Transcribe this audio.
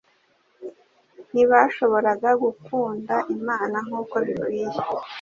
ntibashoboraga gukunda Imana nkuko bikwiye